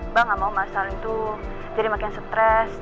mba gak mau mas al itu jadi makin stress